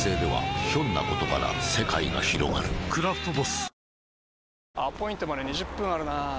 「クラフトボス」